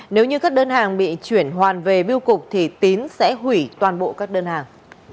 nếu như các đơn hàng bị chuyển hoàn về biêu cục thì tín sẽ hủy toàn bộ các đơn hàng